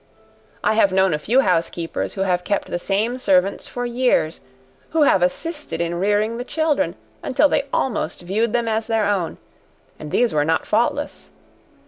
I have known a few housekeepers, who have kept the same servants for years, who have assisted in rearing the children, until they almost viewed them as their own, and these were not faultless.